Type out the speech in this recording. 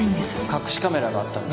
隠しカメラがあったんだ